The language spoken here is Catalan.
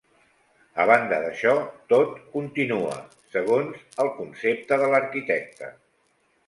A banda d'això, tot continua segons el concepte de l'arquitecte.